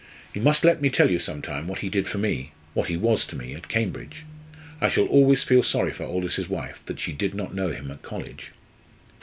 You must let me tell you sometime what he did for me what he was to me at Cambridge? I shall always feel sorry for Aldous's wife that she did not know him at college."